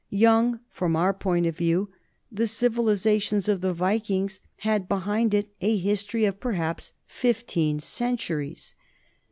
Young from our point of view, the civilization of the Vikings had behind it a history of perhaps fifteen cen turies.